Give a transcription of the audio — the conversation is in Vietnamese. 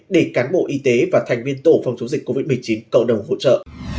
để cán bộ y tế và thành viên tổ phòng chống dịch covid một mươi chín cộng đồng hỗ trợ